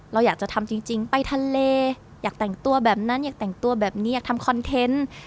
เราอยากจะทำจริงไปทะเลอยากแต่งตัวแบบนั้นอยากแต่งตัวแบบนี้อยากทำคอนเทนต์